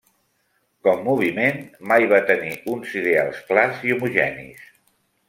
Com moviment mai va tenir uns ideals clars i homogenis.